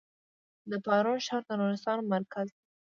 د پارون ښار د نورستان مرکز دی